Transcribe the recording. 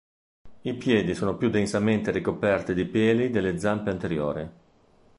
I piedi sono più densamente ricoperti di peli delle zampe anteriori.